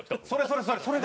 それそれそれ！